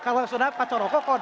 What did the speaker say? kalau sudah pacar rokok